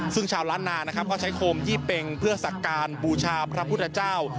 ซึ่งชาวลาดนานก็ใช้โคมยี่เปงเพื่อศักรรมบูชาพระพุทธเจ้า